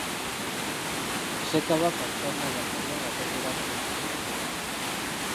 Ssekabaka Chwa Nabakka ye nga tatera kubbulwa!